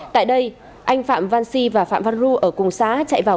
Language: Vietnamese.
tại đây anh phạm văn xe và phạm văn ru ở cùng xá chạy đi